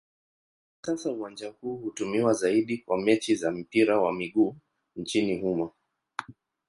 Hivi sasa uwanja huu hutumiwa zaidi kwa mechi za mpira wa miguu nchini humo.